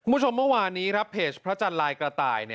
คุณผู้ชมเมื่อวานนี้ครับเพจพระจันทร์ลายกระต่าย